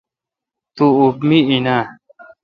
تو اُب مے° این اں؟